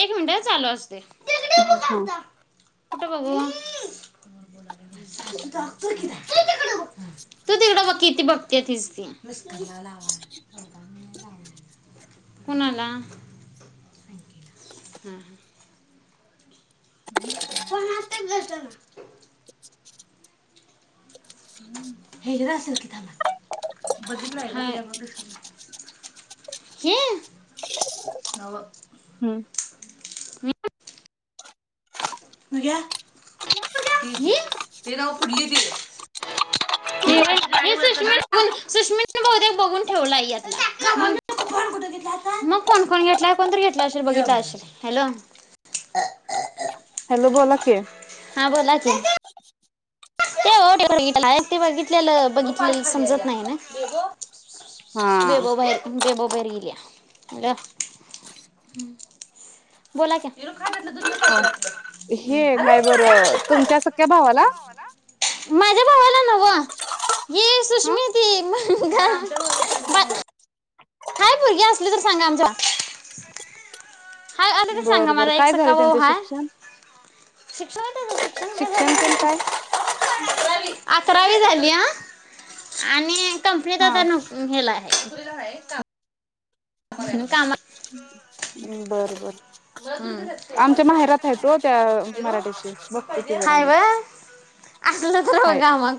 एक मिनिटं अं चालू असुदे. हम्म [unintelligible] कुठं बघू? [inaudible] ते तिकडं बघ. तू तिकडं बघ कि ती बघत्या तिझ ती. कोणाला? हं-हं पण आता भेटं ना. हेगडं असल की थांबा. बघितलाय काय? हाय. हे? न्हवं. [unintelligible] म ग्या, [unintelligible] तेर अ फुडली ती. ये ये सुष्मिन, सुष्मीन बहुते बघून ठेवला यातला. मग फोन कोण घेतला? कोणतर घेतला असेल बग हीत अशिल. हॅलो. हॅलो बोला की. हां बोला की. ते वो ते [unintelligible] ते बघितलेलं बघितलेल समजत नाही ना. हा बेबो बाहिर बेबो बाहिर गेलीया. बोला की. अ हे काय बरं, तुमच्या सख्या भावाला? माझ्या भावाला नव्हं. ही हा सुष्मि ती म्हंन गं. काय पोरगी असली तर सांगा आमच्या हाय आसली तर सांगा बरं बरं माझा एक काय झालं सक्का भाऊ त्यांचं हाय. शिक्षण शिक्षण शिक्षण काय झालय ग पण त्याचं? काय अकरावी झाली या आणि कंपनीत हा आता न हेला आहे. [inaudible] कामा बर बर आमच्या माहेरात आहेत हो त्या मराठीशी बघतो की जरा हाय मग व्हय? असलं तर हाय बगा मग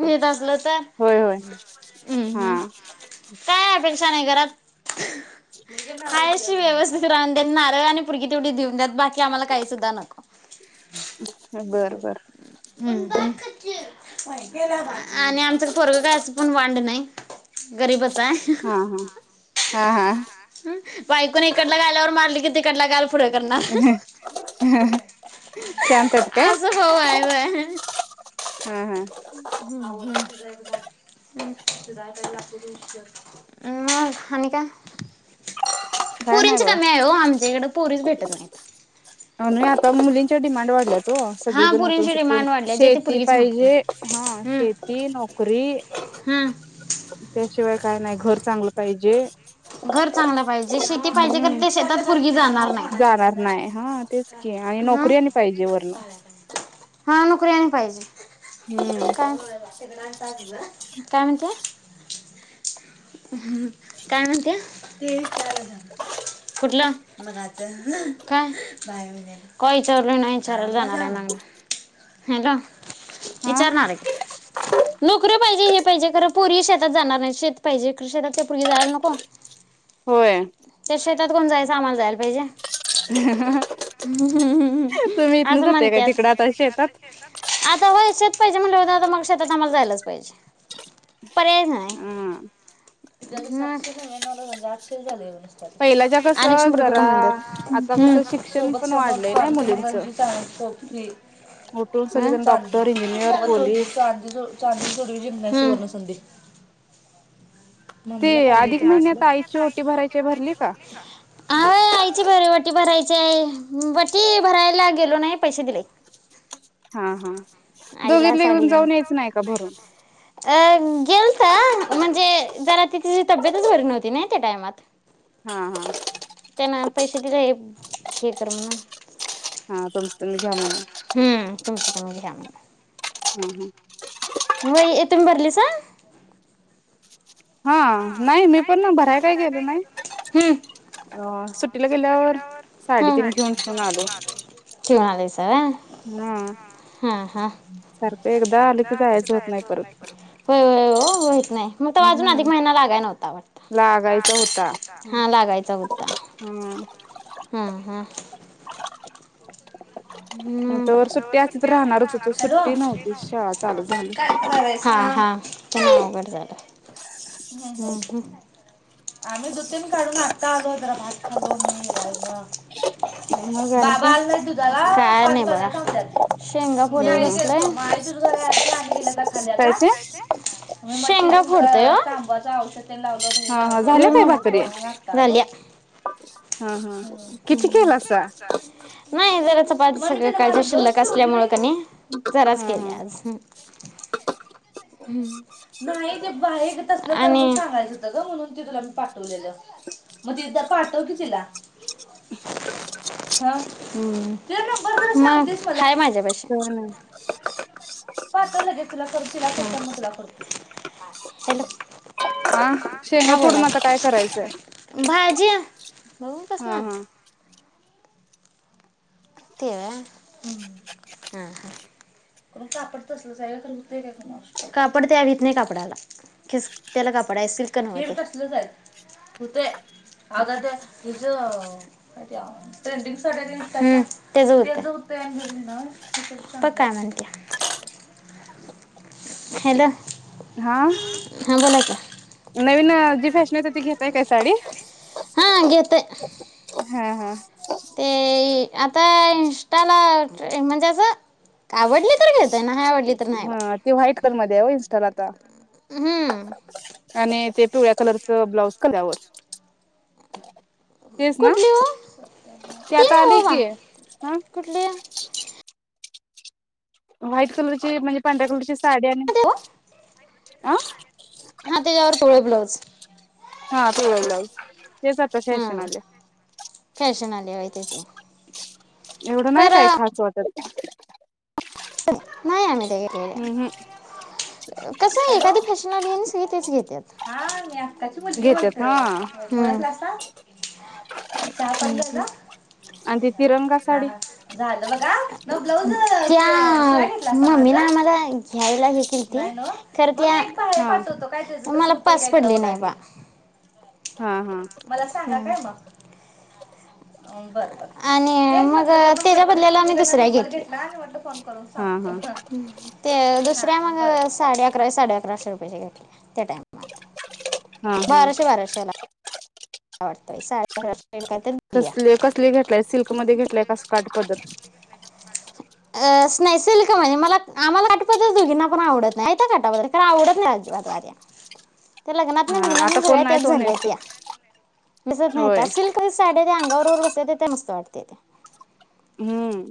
व्हीत असल तर होय होय हम् हम हा काय अपेक्षा नाही घरात हाय आशि व्यवस्थित राहुंदेत नारळ आणि पोरगी तेवढी दिवूनद्यात बाकी आम्हाला काही सुद्धा नको. बर बर आणि आमचं पोरगं काय असं पण वांड नाही. गरीबच हाय. हा हा हा हा बायकोन इकडल्या गाल्यावर मार तीकडला गाल पुढ करणार शांत आहेत काय असा भाऊ हाय होय. हा हा मग आणि काय? काय नाही पोरींची बघा कमी आहे हो आमच्या इकडं पोरीच भेटत नाहीत. आणि आता मुलींच्या डिमांड वाढल्यात. वो हा सगळीजण उठून पोरींची सुटून डिमांड वाढली जे ते शेती पोरगीच मागते. पाहिजे, हां हम्म. शेती, नोकरी हम्म त्याची शिवाय काय नाही घर चांगलं पाहिजे घर चांगलं पाहिजे. शेती पाहिजे खरं हम्म ते शेतात पोरगी जाणार नाही. जाणार नाय हा तेच की आणि हं नोकरी आणि पाहिजे वरण हा नोकरी आणि पाहिजे. हम्म काय? काय म्हणतिया? ह काय म्हणतिया? कुठलं? काय? कवा विचारलोय नाही विचारायला जाणार आहे मागणं. हॅलो हा विचारणार आहे नोकरी पाहिजे हे पाहिजे खर पुरगी शेतात जाणार नाही. शेत पायजे खर शेतात काय पुरगी जायला नको. होय. त्या शेतात कोण जायचं आम्हाला जायला पाहिजे. हुं हुं हुं तुम्ही इथन असं जाताय काय म्हणत्यात. तिकडं आता शेतात आता होय शेत पाहिजे म्हंटल्यावर आता मग शेतात आम्हाला जायलाच पाहिजे. ह [unintelligible] [unintelligible] पहिलाच्या अनेक कसं शंभर रुपये जरा कमी आता कसं शिक्षण पण होत्यात वाढलंय नाही मुलींचं उठून सगळेजण डॉक्टर इंजिनियर पोलीस हुं. [unintelligible] [unintelligible] ते अधिक महिन्यात आईची ओटी भरायची भरली का वटी भरायला गेलो नाही. पैसे दिले. हां हां. आईला साडी घेऊन भरून अ गेलत म्हणजे. जरा ती तीची तब्येतच बरी नव्हती नाही त्या टाइमात. हा हा त्यांना पैसे दिलय. शेखर म्हणा हा तुमच तुम्ही घ्या म्हणा. नवीन घ्या हं हं. व्हय येथून भरलीस. [inaudible] नाही मी पण भराय काय गेलो नाही अ सुट्टीला गेल्यावर साडीतीन घेऊन ठेवून आलो हा [unintelligible] सारखं एकदा आलं की जायचं होत नाही परत होय होय ओ होईत नाही. मी तर अजून हम्म अधिक महिना लाग लागायचा होता लागायचा होता. हम्म तवर सुट्टी असली तर राहणारच होतो सुट्टी नव्हती शाळा चालू झाली [unintelligible] [unintelligible] आम्ही दूध तेन काढून आता आलो. जरा भात खालो. मी हेरा मग आणि बाबा काय आल नाही दुध. काय नाही बघा शेंगा हा फोडत हा बसलोय. काय ते शेंगा फोडतोय ओ [unintelligible] हा हा झाल्या काय भाकरी झाल्या. हा हा किती केलासा नाही जरा चपाती सगळ कालच्या शिल्लक असल्यामुळं कणी जराच हा केले आज हम्म नाही ते बाह्यागत असल्या तर आणि सांगायचं होतं ग म्हणून तुझे [unintelligible] तिथं पाठव की तिला. हा. हम्म. हाय माझ्यापाशी हा [unintelligible] हॅलो हा शेंगा हा बोला फोडून आता काय करायचंय भाज्या. हा हा. ते होय. हम्म हम हम. कापड तसलंच हाय कापड त्या वीत नाही कापडाला खिस त्याला कापड आहे सिल्क न्हव. आगाध्या हीच. अरे देवा ट्रेंडिंग साड्या हम्म दिसताय का. तेच होतंय [unintelligible] बघ काय म्हणताय हॅलो. हा हां बोला की नवीन आज जी फॅशन नाही तर ती घेताय का साडी. हा घेताय. हा हा. ते आता इंस्टाला म्हणजे अस आवडली तर घेताय नाय आवडली तर नाही. हा ती व्हाईट कलर मध्ये आहे ओ इन्स्टाला आता हम्म. आणि ते पिवळ्या कलरच ब्लाउज कल्यावर. तेच ना कुठली हो ते तीन आता आले हो बा की ह कुठली व्हाईट कलरची म्हणजे पांढऱ्या कलरची. साड्याने आ. हां त्याच्यावर पिवळे ब्लाऊज हा पिवळा ब्लाऊज. तेच आता फॅशन आले. लाईव्ह आहे त्याचे एवढं नाही काही खास वाटत. [unintelligible] नाही आम्ही. हम् हम [unintelligible] कस आहे एखादी फॅशन आली सगळे तेच घेताय. हा म्या त्याची मुलगी घेतात बोलतोय हा बघा ओळखलासा. हाहा [unintelligible] चहा पाणी ह. अदीत हा झालं बघा मग ब्लाऊज त्या म ममी ना आम्हाला घ्यायला हे केलती खर. हे हा पाठवतो काय मला. पास पडले नाही बा. हा हा मला सांगा काय मगं. आणि मग त्याच्या बदल्याला आम्ही दुसऱ्या घेतो. हा हा ते दुसर्या मगं. साडे अकराशे साडे अकराशे [unintelligible] घेतल्या त्या टाईमाला. हा हा बाराशे बाराशेला. [unintelligible] दिल्या. कसले कसले घेतलाय सिल्कमध्ये घेतलाय कस काट पधर. [inaudible] [unintelligible] हा आता कोण नाही तो नेसत दिसत नाही होय ता सिल्करी साडी दया अंगाव [unintelligible] बस्तेतेत मस्त वाटते अ हम्म.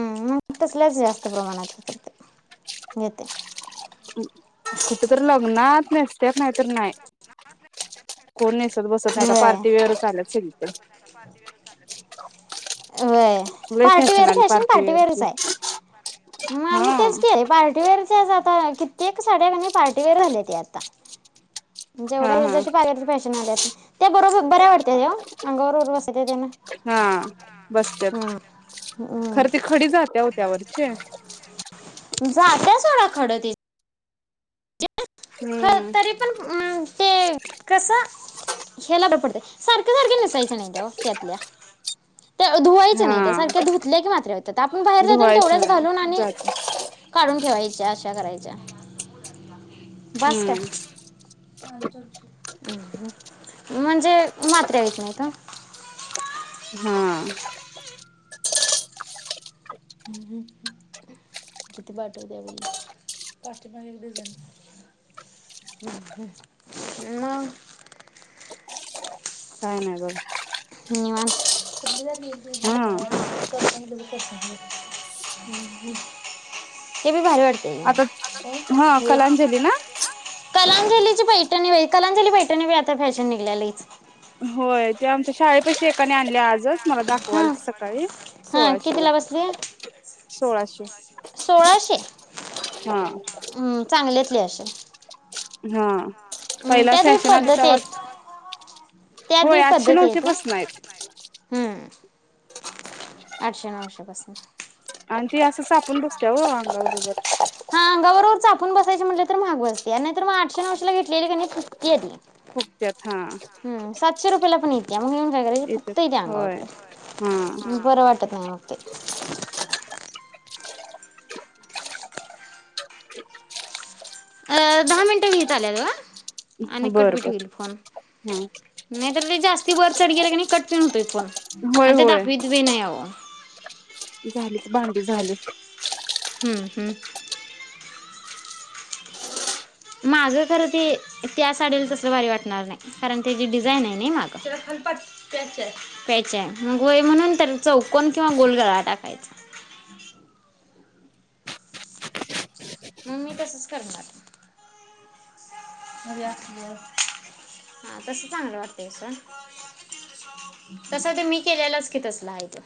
हम्ह मगं तसल्याच जास्त प्रमाणात करते घेते. कुठे तर लग्नात नेसत्यात. नाहीतरी नाही, कोण नेस बसत नाहीता होय पार्टी वेअर आल्यात सगळीकडे. वय लय पार्टीवेअर आली फॅशन पार्टीवेअरची पार्टीवेअरच आहे, म हा आम्ही तेच के पार्टीवेअरच आता ना कित्येक साड्या पार्टीवेअर राहिले ते आता. हा हा जेवढयाला [unintelligible] फॅशन आल्याशी. त्या बरोबर बऱ्या वाटते तेव अंगा बरोबर बसते [unintelligible] हा बसत्यात हम्म हम्म हम्म. त्यावरचे. झात्या सोडा खरं तिथं. हम्म तरी पण ते कस ह्याला रपडत. सारखं सारखं नस त्याच्या नाही त्यात धुवायच हा नाही त्या सारख्या धुत की मात्र हो आपण बाहेर जात धुवायचं तेवढ्याच नाही घालून आणि जात काढून ठेवाय अ अशा करायच्या. बस का? हम्म म्हणजे मात्र्या होइत नाही का. हा. [inaudible] काय नाही बघ. निवांत - हा हे बी भारी वाटतयं. आता हा कलांजली ना. कलांजलीची पैठणी बाई कलांजली पैठणी बी आता फॅशन निघल्या लईच. होय ते आमच्या शाळेपाशी एकाने आणळे आजच मला दाखवालती सकाळी हा सोळाशेला कितीला बसली? सोळाशे. सोळाशे हा हम् चांगल्यातली असेल. हा हं, पहिला त्यात बी फॅशन आली पद्धती आहेत तवाच त्यात होय बी आठशे पद्धती नऊशे आहेत हं. पासन आहेत. हं, आठशे [inaudible] आणि ती असं चापून बसत्या हो अंगाबरोबर [unintelligible] म्हणल तर महाग बस त्या नाय तर मग आठशे नऊशेला घेतलेली क नई फुगत्यात हा [unintelligible] हूं सातशे रुपयाला पण येतीया मग येऊन काय करायच येत्यात फुगतंय ते होय हा अंगावरलं वाटत नाय मग ते अं दहा मिनिटं व्हईत आल्यात [unintelligible] बर आणि बर कटबीट होईल फोन हं ती वर चढ गेल कनय कट पण होतय फोन होय आणि ते होय दाखवीत बी नाही अहो झाली. भांडी झाली. हं हम्म माज खरं ते त्या साडीला तसल भारी वाटणार नाही कारण त्याची डिझाईन हाय नी माग प्याचय मग व्हय म्हणून तर चौकन किंवा गोल गळा टाकायचा. म मी तसच करणारये हां तस चांगल वाटतय तस तर मी केलेलेच की तसल हाय ते